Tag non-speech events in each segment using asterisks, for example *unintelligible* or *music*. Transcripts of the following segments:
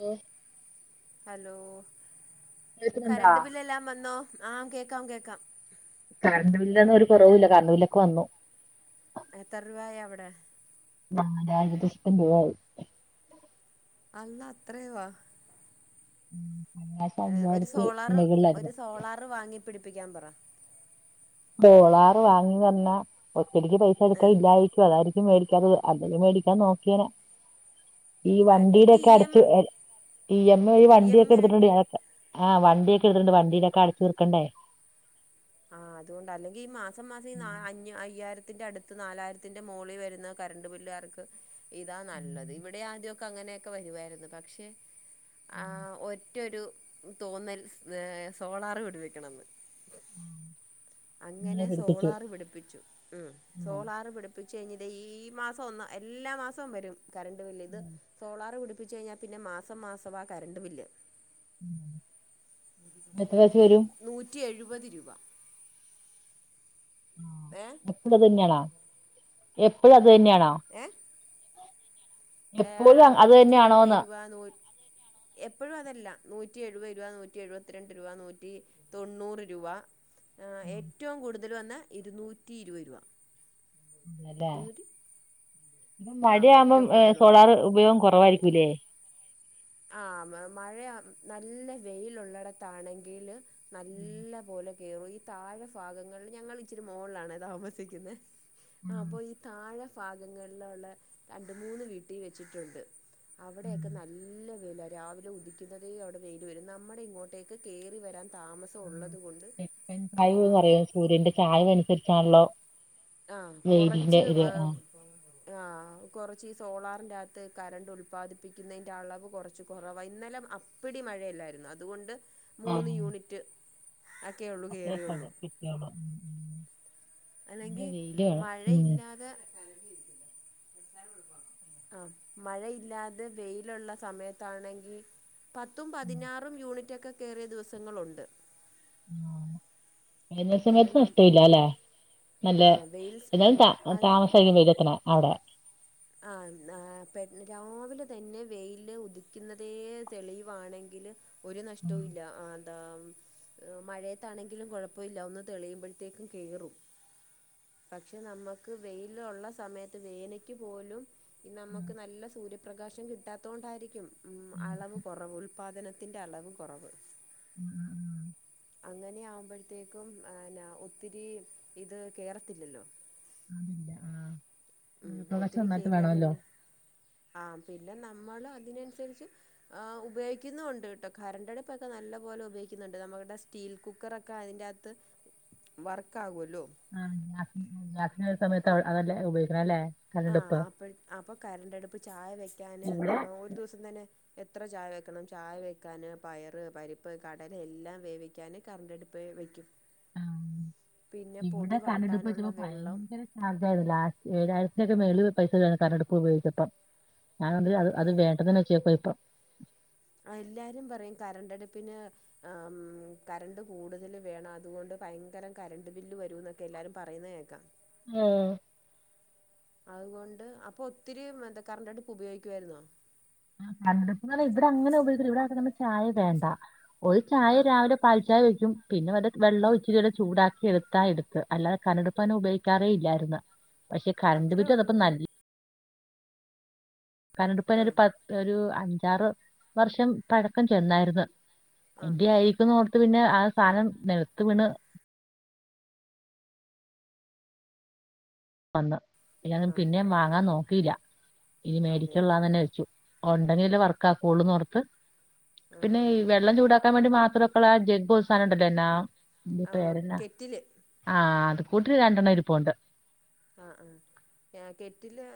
ഉം ഹലോ കേൾക്കുന്നുണ്ടാ കറണ്ട് ബില്ല എല്ലാം വന്നോ ആഹ കേക്കാം കേൾക്കാം. കണ്ണൂില്ലന്നും ഒരു കുറവില്ല കണ്ണവിലൊക്കെ വന്നു. എത്ര രൂപ അവിടെ? ആ രാജ *unintelligible* അല്ല അത്രയവാ ഉ *unintelligible* ഒരു സോളാർ ഒരു സോളാർ വാങ്ങി പിടിപ്പിക്കാൻ പറ. ഡോളാർ വാങ്ങി പറഞ്ഞാ ഒച്ചടിക്ക് പൈസ എടുക്കാ ആഹ് ഇല്ലായിരിക്കും അതാ മേിക്കാത് അ മേടിക്കാൻ നോക്കിയനാ ഈ വണ്ടീടെ അല്ലെങ്കി ഒക്കെ ഇ എം അടച്ച് ഇ എം ഈ ഇ എം വണ്ടിയൊക്കെ ഐ ആയിട്ട് എടുത്തിട്ടുണ്ടൊക്കെ? ആഹ്ണ്ടിയൊക്കെ എടുട്ടണ്ട്ണ്ടിയിലൊക്കെ അടച്ചുതീർക്കണ്ടേ ആഹ് അതുകൊണ്ട് അല്ലെങ്ക ഈ മാസം മാസം ഈ ഉം, അയ്യായിരത്തിന്റെ അടുത്ത് *unintelligible* നാലായിരത്തിന്റെ മുകളി വരുന്ന കറണ്ട് ബില്ലുകാർക്ക് ഇതാ ഉം, നല്ലത് ഇവിടെ ആദ്യം അങ്ങനെയൊക്കെ വരുവായിരുന്നു പക്ഷെ ആ ഉം, ഒ മറ്റരു തോന്നൽ സോളാർ പിടിവെക്കണമെന്ന് ഉം. അങ്ങനെ സോളാർ പിടിപ്പിച്ചു ഉം, സോളാർ പിടിപ്പ പ്പിച്ച് കഴിഞ്ഞ് ഇതെ ഈ മാസം ഒന്ന് എല്ലാ മാസോം വരും കറണ്ട് ബില്ല് ഇത് ഉം, സോളാറ് പിടിപ്പിച്ച് കഴിഞ്ഞാ പിന്നെ മാസം മാസവാ കറണ്ട് ബില്ല് ഉം. എത്ര വെച്ച് ഇൻ വരും നൂറ്റി എഴുപത് രൂ *unintelligible* എപ്പഴും അത് തന്നെയാണോ എപ്പഴും അത് തന്നെയാണോ ഏഹ് എപ്പോഴും ഏഹ് അ- അത് നൂറ്റി എഴുപത് തന്നെയാണോന്ന് രൂപ നൂറ്റ് എപ്പഴും അതല്ല നൂറ്റി എഴുപത് രൂപ നൂറ്റി എഴുപത്തിരണ്ട് രൂപ നൂറ്റി തൊണ്ണൂറ് രൂപ ഏറ്റവും കൂടുതൽ വന്നെ ഇരുന്നൂറ്റി ഇരുപത് രൂപ *unintelligible* ഇരുന്നൂറ്റി ഇപ്പം ആ മഴയാവുമ്പം ഏറ്റവും കൂടുതൽ വന്നത് സോളാർ ഉപയോഗം കൊറവായിരിക്കൂല്ലേ ആഹ് മ മഴയി നല്ല വെയിലുള്ളിടത്താണെങ്കില് നല്ല പോലെ കേറു ഈ താഴെ ഫാഗങ്ങളില് ഞങ്ങൾ ഇച്ചിരി മോളിലാണേ താമസിക്കുന്നെ ആഹ് അപ്പൊ ഈ താഴെ ഫാഗങ്ങളിലൊള്ള രണ്ട് മൂന്ന് വീട്ടി വെച്ചിട്ടുണ്ട് അവിടെയൊക്കെ നല്ല നല്ല വെയിലാ രാവിലെ ഉദിക്കുന്നതേ അവിടെ വെയില് വെരും നമ്മടെ ഇങ്ങോട്ടേക്ക് കേറി വരാൻ താമസം ത്തൊള്ളതുകൊണ്ട് തെക്കൻ ചായ്വ് എന്ന് ഏം പറയും സൂര്യന്റെ ചായിവ് അനുസരിച്ചാണല്ലോ ആഹ് വെയിലിന്റെ കൊറച്ച് ഇത് ആ ആഹ് ആഹ് കൊറച്ച് ഈ സോളാറിന്റാത്ത് കറണ്ട് ഉൽപാദിപ്പിക്കുന്നേയിന്റെ അളവ് കൊറച്ച് കൊറവാ ഇന്നലെ അപ്പിടി മഴയല്ലായിരുന്നോ അതുകൊണ്ട് ആ. മൂന്ന് യൂണിറ്റ് ഒക്കെയുള്ളൂ കേറിയുള്ളൂ *inaudible* പിന്നെ അല്ലെങ്കി വെയില് വേണം ഉം മഴയില്ലാതെ ആഹ് മഴയില്ലാതെ വെയിലുള്ള സമയത്താണെങ്കി പത്തും ഉം, പതിനാറും യൂണിറ്റൊക്കെ കേറിയ ദിവസങ്ങളുണ്ട് *unintelligible* വേനൽ പിന്നെ സമയത്ത് നം നഷ്‌ട ഇല്ലാ ല്ലെ. നല്ല ആഹ് വെയിൽ എന്നാലും ത അത് *unintelligible* അവ്ടെ ആഹ് ന്നാ പെ രാവിലെ തന്നെ വെയില് ഉദിക്കുന്നതേ തെളിവാണെങ്കില് ഒരു ഉം, നഷ്ടവും ഇല്ല ആ ന്താ എഹ് മഴയത്താണെങ്കിലും കുഴപ്പ ഇല്ല ഒന്ന് തെളിയുമ്പഴ്ത്തേക്കും കേറും. പക്ഷെ നമ്മക്ക് വെയില് ഉള്ള സമയത്ത് വേന ക്ക് പോലും ഉം, നമുക്ക് നല്ല സൂര്യപ്രകാശം കിട്ടാത്ത കൊണ്ടായിരിക്കും ഉം അളവ് കുറവ് ഉൽപാദനത്തിന്റെ അളവ് കുറവ് ഹും *inaudible* അങ്ങനെ ആകുമ്പോഴത്തേക്കുംന്ന ഒത്തിരി ഇത് കേറത്തില്ലല്ലോ അതില്ല ആ ഉ സൂര്യപ്രകാശം ഒത്തിരി നന്നായിട്ട് വേണമല്ലോ കയറിയാലല്ലേ ആഹ പിന്നെ നമ്മള് അതിനനുസരിച്ച്. ഉപയിക്കുന്നുണ്ട് ട്ടോ കരണ്ട്ടുപ്പൊക്കെ നല്ല പോലെ ഉപയോഗിക്കുന്നുണ്ട് നമ്മുടെ സ്റ്റീൽ കുക്കറൊക്കെ അതിൻന്റെ അത് വർക്ക ആകുമല്ലോ ആ *unintelligible* സമയത്ത് അതല്ലേ ഉപയോഗിക്കണം അല്ലേ ആ കരണ്ടടുപ്പ് അപ്പ അപ്പൊ കരണ്ട്ടുപ്പ് ചായ വെക്കാന് ഇവിടെ ഒരു ദിവസം തന്നെ എത്ര ചായ വെക്കണം ചായ വെക്കാന് പയറ് പരിപ്പ് കടൽ എല്ലാം വേവിക്കും. ഞാൻ *unintelligible* കറണ്ടടുപ്പ് വെക്കും ആ, പിന്നെ പൊടി വാട്ടാനുള്ള വെള്ളം *unintelligible* ഏഴായിരത്തിേക്കെ മേല് പൈസ *unintelligible* കരണ്ടടുപ് ഉപയോഗിച്ചപ്പം ഞൻ അത് വേണ്ടന്ന് വെച്ചേക്കുവ ഇപ്പം. എല്ലാരും പറയും കരണ്ടടുപ്പിന് കറണ്ട് കൂടുതല വേണം അതുകൊണ്ട് ഭയങ്കര കരണ്ട് ബില്ല് വരും എന്ന്. എല്ലരും പറയുന്നത് കേൾക്കാം ആഹ അതുകൊണ്ട് അപ്പൊ ഒത്തിരി എന്താ കറണ്ടടുപ്പ് ഉപയോഗിക്കുവായിരുന്നോ? ആ ഇവിടെ അങ്ങനെ ഉപയോഗിക്കൂല്ല ചായ വേണ്ട ഒരു ചായ ആഹ് രാവിലെ പാൽചായ വെക്കും പിന്നെ മറ്റേ വെള്ളം ആഹ് *unintelligible* ചൂടാക്കി എടുത്താ എടുത്ത് അല്ലാതെ കരണ്ടടുപ്പ് ഉപോഗിക്കാറേ ഇല്ലായിരുന്നു. പക്ഷെ കറണ്ട് അത്രേ ബില്ല് വന്നപ്പോ ഉള്ളൂ നല്ല *unintelligible* കരണ്ടടുപ്പന്നെ ഒരു ആഹ് പ ഒരു അഞ്ചാറ് വർഷം പഴക്കം ചെന്നായിരുന്നു. ആഹ് എന്റെ ആയിരിക്കും ഓർത്ത് പിന്നെ ആ സാധനം നിലത്ത് വീണ് വന്ന് ഇും ആഹ് പിന്നേ വാങ്ങാൻ നോക്കില്ല. ഇത് അതെയോ മേടിക്കള്ളാന്ന് തന്നെ വെച്ചു. ഉണ്ടെങ്കിൽ അല്ലേ വർക്ക ആാക്കള്ളൂന്ന്ോ റത്ത് ആഹ് പിന്നെ ഈ ആഹ് വെള്ളം ചൂടാക്കാൻ വേണ്ടി മാത്രേ മക്കള ജ ഗോസാാനണ്ടലന്ന ആഹ് പേരന്ന കെറ്റില് ആഹ് അത് കൂട്ടിട്ട രണ്ടെണ്ണം ഇരി പോണ്ട്. ആഹ ആ കെറ്റില്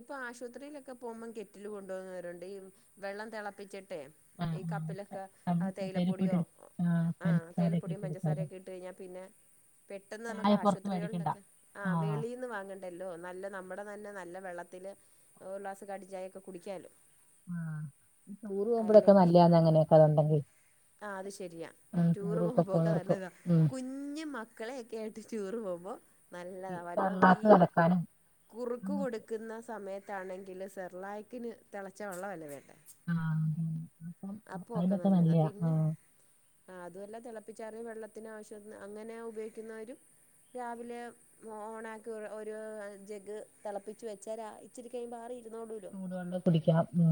ഇപ്പൊ ആശുപത്രിയിലൊക്കെ പോകുമ്പോം കെറ്റിൽ കൊണ്ടു പോന്നുന്നവരുണ്ട് ഈ വെള്ളം തിളപ്പിച്ചട്ടെ ആ ഈ ആ കപ്പിലൊക്കെ നമുക്ക് കയ്യിൽ പോയിട്ട് തേയിലപ്പൊടിയോ എടു ആ ആഹ പഞ്ചസാരയൊക്കെ ഇട്ട് തേലപ്പൊടിയും എടുക്കാലോ പഞ്ചസാരൊക്കെ ഇട്ട് കഴിഞ്ഞാൽ പിന്നെ പെട്ടെന്ന് നമുക്ക് ചായ പുറത്ത് മേടിക്കണ്ട ആശുപത്രികളിലൊക്കെ ആ ആഹ വെളിന്ന് വാങ്ങണ്ടല്ലോ നല്ല നമ്മുടെ തന്നെ നല്ല വെള്ളത്തില് ഒരു ഗ്ലാസ് കട്ടൻചായയൊക്കെ കുടിക്കാലോ? ആഹ ചോറ് പോവുമ്പോഴൊക്കെ അല്ലെങ്കി നല്ലന്ന് അങ്ങനെയൊക്കെ അത്ണ്ടെങ്കിൽ. ആ അത് ശരിയാ ടൂറ് പോകുമ പോക്ക പോണോർക്ക് നല്ലതാ ഉം കുഞ്ഞ് മ മക്കളെയൊക്കെ ആയിട്ട് ടൂറ് പോകുമ്പോൾ നല്ലത ഈ കടലാസ് കലക്കാനും കുറുക്ക് അങ്ങനെ കൊടുക്കുന്ന സമയത്ത് ആണെങ്കിൽ സെർലായക്കിന് തിളച്ച വെള്ളമല്ല വേണ്ടേ? ആത അപ്പ അതിനൊക്കെ നല്ല ആ ആ് അതുമല്ല തിളപ്പിച്ചാറിിയ വെള്ളത്തിന് ആവശ്യം അങ്ങനെ ഉപയോഗിക്കുന്നവരും രാവിലെ ഓണാക്കി ഒരു ജഗ് തിളപ്പിച്ച് വെച്ചാൽ ഇച്ചിരിക്കഴിയുമ്പോ ആറി ഇരുന്നോടൂല്ലോ ടുവെള്ളം കുടിക്കാം ഉ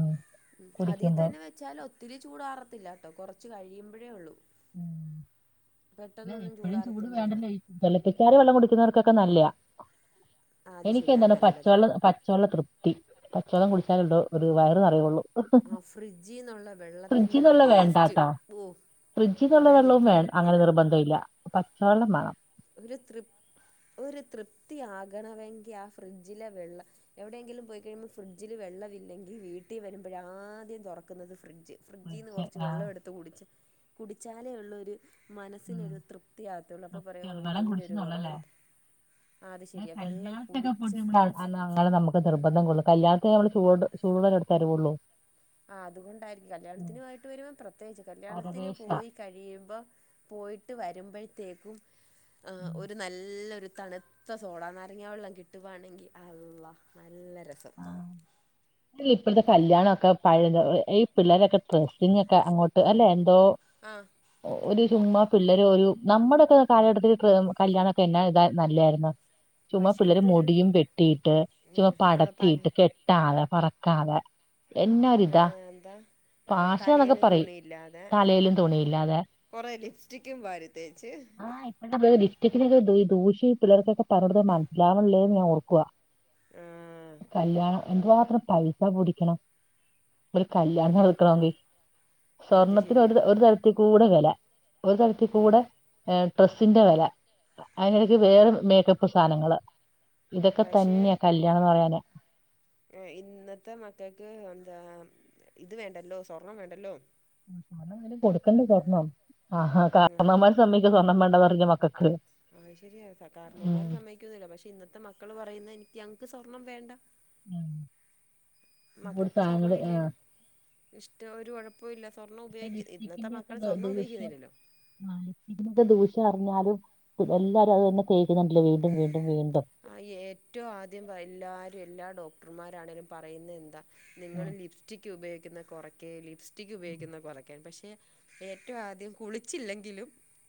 ഉ അതിൽ തന്നെ വെച്ചാൽ ഒത്തിരി ചൂടാറത്തില്ലാട്ടോ കൊറച്ച് കഴിയുമ്പോഴേ ഉള്ളു. ഉം പെട്ടെന്നൊന്നും ചൂടറതോന്നും ഇല്ല തള്ളപ്പിച്ചറിയ വെള്ളം കുടിക്കുന്നവർക്കൊക്കെ നല്ലത. ആ അത് എനിക്ക് ശരിയാ അത് എന്താണ് നല്ലതാ പച്ചവെള്ളം പച്ചവെള്ളം തൃപ്തി പച്ചവെള്ളം കുടിച്ചാലുണ്ടോ ഒരു വയറന്ന് അറിയുള്ളൂ. ആ ഫ്രിഡ്ജിൽ നിന്നുള്ള വെള്ളത്തിന്റെ ഒരു ടേസ്റ്റ് ഓ ഫ്രിഡ്ജ നിന്നുള്ള വെള്ളവും പറയാതിരിക്കാൻ വേണം അങ്ങനെ പറ്റിയേല നിർബന്ധമല്ല പച്ചവെള്ളം വേണം. ഒരു തൃപ്തിയാകണമെങ്കിൽ ആ ഫ്രിഡ്ജിലെ വെള്ളം എവിടെയെങ്കിലും പോയിക്കഴിയുമ്പോൾ ഫ്രിഡ്ജിൽ വെള്ളമില്ലെങ്കിൽ വീട്ടിൽ വരുമ്പോഴ ആദ്യം തുറക്കുന്നത് ഫ്രിഡ്ജ്. ഫ്രിഡ്ജീന്ന് ഫ്രിഡ്ജ് കുറച്ച് ആഹ് വെള്ളം എടുത്ത് കുടിച്ച്. കുടിച്ചാലേ ഉള്ളരു ഉം മനസ്സിനൊരു തൃപ്തിയാകത്തയുള്ളൂ. അപ്പോം *unintelligible* ആ അത് ശരിയാ വെള്ളം കല്യാണത്തിനൊക്കെ പോയിട്ട് കുടിച്ച നമ്മള അ അങ്ങനെ നമുക്ക് നിർബന്ധം കൊള്ളൂ. കല്ല്യാണത്തി നമ്മ ചൂടു ചൂടൊള്ള എടുത്ത് തരുവുള്ളു. ആ അതുകൊണ്ടായിരിക്കും. കല്യാണത്തിനു പോയിട്ട് വരു പ്രത്യേകിച്ച്, കല്യാണത്തിന് പരവേശാ പോയി കഴിയുമ്പോ പോയിട്ട് വരുമ്പോഴത്തേക്കും, ആ ഉം ഒരു നല്ലൊരു തണു ത്ത സോഡാ നാരങ്ങ വെള്ളം കിട്ടുവാണെങ്കിൽ, അള്ള നല്ല രസം. ഇ ഇപ്പോഴത്തെ കല്യാണമൊക്കെ, പഴ ഈ പിള്ളേരൊക്കെ ഡ്രസ്സിങ്ങ ഒക്കെ അങ്ങോട്ട് അല്ലെ എന്തോ, ആ. ഒരു ചുമ്മാ പിള്ളേര് ഒരു നമ്മുടൊക്കെ കാലഘട്ടത്തില് കല്യാണൊക്കെ എന്നാ ഇത നല്ലതായിരുന്നു. ചുമ്മാ പക്ഷെ പിള്ളേര് ഇതൊരു മുടിയും വെട്ടിയിട്ട് ചുമ്മാ പട തലേ കെട്ടാതെ പറക്കാതെ എന്നാ രുതാ. എന്താ തലേലും തുണില്ലാതെ, തലയിലും തുണിയില്ലാതെ കുറേ ലിപ്സ്റ്റിക്കും വാരി തേച്ച്. ആ *unintelligible* ലിപ്സ്റ്റിക്നൊക്കെ ദൂഷ്യം പിള്ളേർക്കൊക്കെ പറഞ്ഞൊടുത്തു മനസ്സിലാവണള്ളേന്ന് ഞാൻ ഓർക്കുവാ. ആ കല്ല്യാണം എന്തു മാത്രം പൈസ പൊടിക്കണം. ഒരു കല്യാണം അത് നടക്കണമെങ്കി അത് സ്വർണ്ണത്തിന് ഒരു ശരിയാ ഒരു തരത്തി കൂടെ വെല. ഒരു തലത്തി ആ കൂടെ, ഡ്രസ്സിന്റെ വെല അതിനിടയ്ക്ക് വേറെ മേക്കപ്പ് സാനങ്ങള്, പക്ഷേ ഇതൊക്കെതന്ന്യ കല്യാണംന്ന് പറയണെ ഇന്നത്തെ മക്കക്ക് എന്താ ഇത് വേണ്ടല്ലോ, സ്വർണം വേണ്ടല്ലോ. *unintelligible* കൊടുക്കണ്ടെ സ്വർണം. ആഹാ ഉം കാരണവൻമ്മാര് സമ്മയ്ക്കോ സ്വർണ്ണം വേണ്ട പറഞ്ഞ മക്കക്ക്. അത് ശരിയാ ഉം കാർന്നോന്മാര് സമ്മയ്ക്കൊന്നുല്യ പക്ഷെ ഇന്നത്തെ മക്കള് പറയുന്നെ എനിക്ക് ഞങ്ങക്ക് സ്വർണം വേണ്ട ഒരുപാട് മക്കക്ക് സാധനങ്ങള് സ്വർണം ആഹ് ഇല്ലേലും, ഇഷ്ടം ഒരു കൊഴപ്പവുല്യ. സ്വർണ്ണം പക്ഷെ ഉപയോഗിക്യ, ഇന്നത്തെ മക്കൾ സ്വർണം ഉപയോഗിക്കുന്നില്ലല്ലോ. ഇതിന്റെ ദൂഷ്യം അറിഞ്ഞാലും എല്ലാരും അത് തന്നെ തേക്കുന്നെ കണ്ടീലെ വീണ്ടും വീണ്ടും വീണ്ടും. ആ ഏറ്റവും ആദ്യം എല്ലാരും എല്ലാ ഡോക്ടർമാരാണെേലും പറയുന്നത് എന്താ. ഉം, നിങ്ങള് ലിപ്സ്റ്റിക്ക് ഉപയോഗിക്കുന്നെ കുറക്ക്‌ ലിപ്സ്റ്റിക്ക് ഉം, ഉപയോഗിക്കുന്നെ കുറക്കാൻ പക്ഷെ ഏറ്റവും ആദ്യം കുളിച്ചില്ലെങ്കിലും,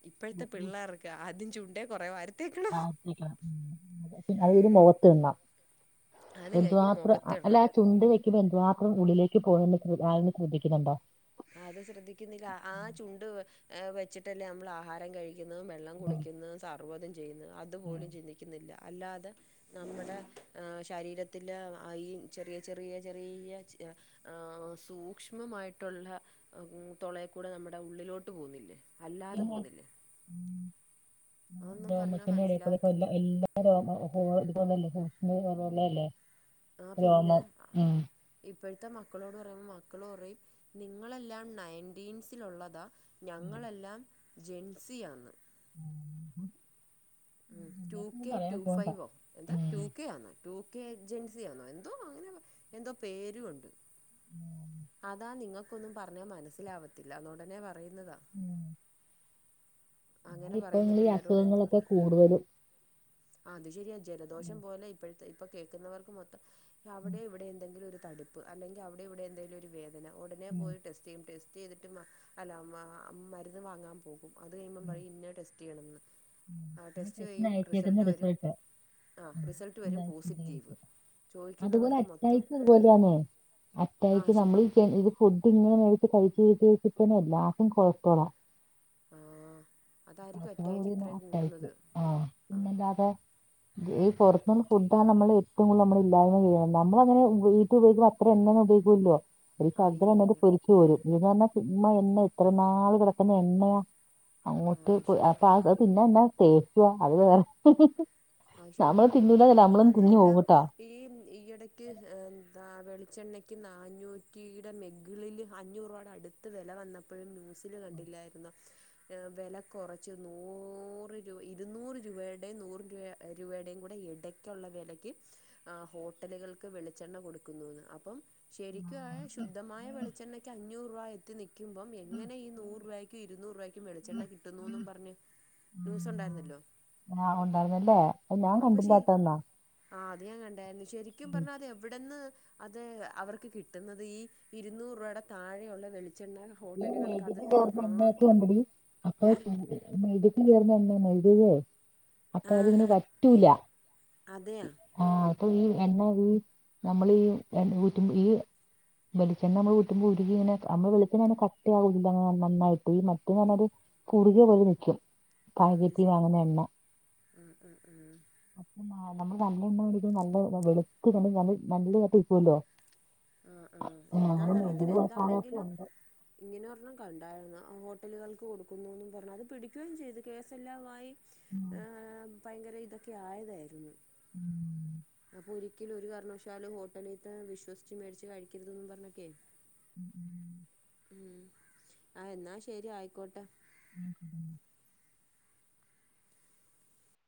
ഇപ്പോഴത്തെ ഉം, ഉം. പിള്ളേർക്ക് ആദ്യം ചുണ്ടേ കുറേ വാരി തേക്കണം *unintelligible* *unintelligible* മുഖത്ത്ടണം, അത് കഴിഞ്ഞ് എന്തുമാത്രം ആ അല്ല. മുഖത്തിടണം ചുണ്ടിൽ വെക്ക്യ്മ്പോൾ എന്തു മാത്രം ഉള്ളിലേക്ക് പോയെന്ന്‌ ആരെങ്കിലും ശ്രദ്ധിക്കുന്നുണ്ടോ. അത് ശ്രദ്ധിക്കുന്നില്ല. ആ ചുണ്ട് വെച്ചിട്ടല്ലേ നമ്മൾ ആഹാരം കഴിക്ക ന്നതും വെള്ളം കുടിക്കുന്നതും സർവ്വതും ചെയ്യുന്നു. അതുപോലും ചിന്തിക്കുന്നില്ല. അല്ലാതെ, നമ്മടെ ഏഹ് ശരീരത്തിന്റെ ആ ഈ ചെറിയ ചെറിയ ചെറിയ, ആ സൂക്ഷ്മമായിട്ട്, ട്ടുള്ള തൊളേക്കൂടെ നമ്മുടെ ഉള്ളിലോട്ട് പോകുന്നില്ലേ അല്ലാതെ പിന്നെ പോകുന്നില്ലേ അതൊന്നും പറഞ്ഞാൽ രോമത്തിന്റെ എടെകൂടെ പ മനസ്സിലാകത്തില്ല എല്ലാ രോ *unintelligible* ഇതുപോലല്ലേ ഹോള്ളല്ലേ. രോമം ഉം. ഇപ്പഴത്തെ മക്കളോട് പറയുമ്മെ മക്കള് പറയും നിങ്ങളെല്ലാം നൈൻറ്റീൻസിൽ ഉള്ളതാ ഉം. ഞങ്ങളെല്ലാം ജെൻസിയാണ്. ഉ ടു കെ ടു പോണ്ട ഫൈവോ, എന്താ ഉം ടു കെ ആന്നോ ടു കെ ജെൻസി ആണോ, എന്തോ അങ്ങനെ എന്തോ പേരുംണ്ട്. ഉ അതാ നിങ്ങക്കൊന്നും പറഞ്ഞ മനസ്സിലാവത്തില്ല, നുടനെ പറയുന്നതാ. ഉം. എന്നാ അങ്ങനെ ഇപ്പൊ പറയുന്ന നിങ്ങൾ ഈ പിള്ളേരോട് എന്തു പറ അസുഖങ്ങളൊക്കെ കൂടുതലും അത് ശരിയാ ഉം. ജലദോഷം പോലെ ഇപ്പഴത്തെ ഇപ്പൊ കേൾക്കുന്നവർക്ക് മൊത്തം ഉം. അവിടെ ഇവിടെ എന്തെങ്കിലും ഒരു തടിപ്പ്, അല്ലെങ്കിൽ അവിടെ ഇവിടെ എന്തെങ്കിലും ഒരു വേദന ഉടനെ ഉം. പോയി ടെസ്റ്റ്, ചെയ്യും. ടെസ്റ്റ് ചെയ്തിട്ട് മ അല്ല മ മരുന്ന് വാങ്ങാൻ പോകും. അത് കഴിയുമ്പം പറയും ഇന്ന ടെസ് *unintelligible* ണേന്നു. *unintelligible* പ്രശ്‌നായിട്ട് ഇടുന്ന റിസൾട്ട്. ആ റിസൾട്ട് വരും പോസിറ്റീവ് *unintelligible* അതുപോലെ ചോദിക്കുന്നവർക്ക് മൊത്തം അറ്റായ്ക്കും ഇതുപോലെയാന്നേ ആ അറ്റാക്ക് ഞമ്മള് ശരിയാ വിചാരി ഇ ഫുഡ് ഇങ്ങനെ കയിച് കയിച് കയ്ച്ചച്ചു ഇപ്പം എല്ലാർക്കും കൊളസ്ട്രോളാ. ആ അതാരിക്കും അറ്റാക്ക് ഇത്രേം കഴിക്കും ആഹ് പിന്നെല്ലാതെ ഈ പൊറത്ത്ന്ന്‌ ഒത്തിരി ഫുഡങ്ങനെ നമ്മള് എറ്റവും കൂടുതല് നമ്മള് ഇല്ലായ്മ ചെയ്യ്യ ഞമ്മള് അങ്ങനെ വീട്ടി ഉപയോഗിക്കുന്ന അത്ര എണ്ണയൊന്നും ഉപയോഗിക്കൂലല്ലോ ഒരു ആ *unintelligible* ഇല്ല ഉണ്ടെങ്കി ഇല്ല പൊരിച്ചു കോരും ഇതന്ന് പറഞ്ഞാ ചുമ്മാ എണ്ണ എത്ര നാള് കെടക്കുന്ന എണ്ണയാ അങ്ങോട്ട് പ് ആ പാ ആ അത് തിന്നാൻ എന്നാ ടേസ്റ്റിയാ അത് വേറെ *unintelligible* അത് ശരിയാ നമ്മള് എത്ര തിന്നൂന്നതല്ല. നമ്മളും അതുമല്ല തിന്നുപോവുട്ട. ഈ ഈയിടയ്ക്ക് എന്താ വെളിച്ചെണ്ണയ്ക്ക്, നാന്നൂറ്റിയുടെ മെകളില് അഞ്ഞൂറോളം, അടുത്ത് വെല വന്നപ്പോഴും ന്യൂസില് കണ്ടില്ലായിരുന്നോ ഏ വെല കുറച്ച്, നൂറ് രൂ ഇരുന്നൂറ് രൂപയുടെയും, നൂറ് രൂപ ഒരു വേടെകൂടെ ഇടയ്ക്കുള്ള വെലയ്ക്ക്, ആ ഹോട്ടലുകൾക്ക് വെളിച്ചെണ്ണ കൊടുക്കുന്നുന്ന്, അപ്പം. ശരിക്കും ആ ശുദ്ധമായ വെളിച്ചെണ്ണയ്ക്ക് അഞ്ഞൂറ് രൂപ എത്തി നിൽക്കുമ്പോം, എങ്ങനെ ഈ നൂറ് രൂപ ക്ക് ഇരുന്നൂറ് രൂപയ്ക്കും വെളിച്ചെണ്ണ കിട്ടുന്നുന്ന്‌ പറഞ്ഞ് ന്യൂസ് ഉണ്ടായിരുന്നല്ലോ. ആഹ ഉണ്ടായിരുന്നല്ലേ. അത് ഞാൻ അപ്പൊ ശേ കണ്ടില്ലാത്തന്നാ ആ അത് ഞാൻ കണ്ടരുന്നു. ശരിക്കും പറഞ്ഞാ അത് എവിടെന്ന് അത് അവർക്ക് കിട്ടുന്നത്, ഈ ഇരുന്നൂറ് രൂപയുടെ താഴെയുള്ള വെളിച്ചെണ്ണ ഹോട്ടലുകൾക്ക് അത് മാ *unintelligible* ഏ *unintelligible* *unintelligible* അപ്പൊ ആ അതിങ്ങനെ ആ വറ്റൂല. അതെയാ ആഹ അപ്പൊ ഈ എണ്ണ ഈ നമ്മളി ഈ എ ഊറ്റു ഈ. വെളിച്ചണ്ണ നമ്മള് ഊറ്റുമ്പ ഒരുകി ഇങ്ങനെ *unintelligible* *unintelligible* കട്ടിയാവൂലല്ല നന്നായിട്ട് ഈ മറ്റ ഈ- ഞാനൊരു കുറുകിയ പോലെ വെക്കും. ആ അത് ശരി. ആഹ ആഹ ആഹ. അപ്പ നമ്മള് നല്ലണ്ണ നല്ല വെളുത്ത് നല്ല നല്ലതായിട്ട് *unintelligible* ആ ആ അങ്ങനെ എന്താന്നറിയത്തില്ല. മെഴുക് മസാലയൊക്കെ എന്താണെങ്കിലും ഉണ്ട് ഇങ്ങനെ ഒറണം കണ്ടായിരുന്നു. ഹോട്ടലുകൾക്ക് കൊടുക്കുന്നുന്ന് പറഞ്ഞ്, അത് പിടിക്കുകയും ചെയ്തു കേസെല്ലാമായി. ഏ ഭയങ്കര ഇതൊക്കെ ആയതായിരുന്നു. ഉം. അപ്പൊ ഒരിക്ക ഒരിക്കലും ഒരു കാരണവശാല് ഹോട്ടലിത്ത വിശ്വസിച്ച് മേടിച്ച് കഴിക്കരുതെന്നും പറഞ്ഞക്കെ, ഉം ഉം ഉം. ആ എന്നാൽ ശരി ആയിക്കോട്ടെ. ഉ